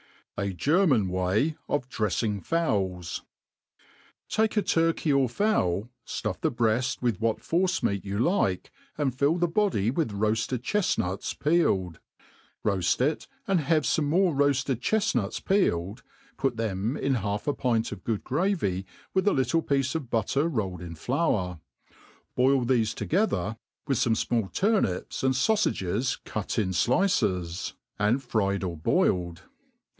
;^ A German way of drejjing Fowls. TAKE a turkey or fowl, fluff the breaft with virhzt force meat you like^ aind fill the body with roafied chefnuts peeled. Roafl it, and have fome more roafled chefiiuts peeled, put them \n half a pint of good gravy, with a little piece of^butter rolled in flour i boil tbefe together, with fome fmall turnips and fau«*. fagcf MADE PLAIN AND EASY. 73 I _ fave^ cut in flices, and fried or boiled.